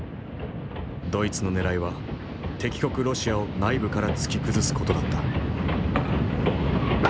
ドイツのねらいは敵国ロシアを内部から突き崩す事だった。